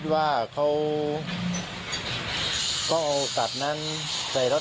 คือบางคนก็อาจจะแบบว่าเขาก็จ้างให้ทำก็ทำไปอะไรอย่างนี้เป็นไปได้ใช่ไหมครับ